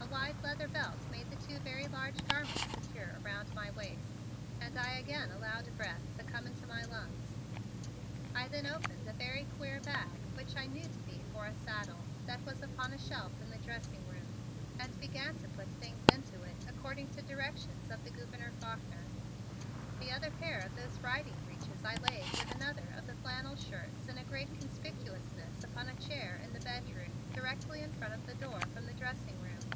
A wide leather belt made the two very large garments secure around my waist and I again allowed breath to come into my lungs. I then opened a very queer bag which I knew to be for a saddle, that was upon a shelf in the dressing room, and began to put things into it according to directions of the Gouverneur Faulkner. The other pair of those riding breeches I laid with another of the flannel shirts in a great conspicuousness upon a chair in the bedroom directly in front of the door from the dressing room.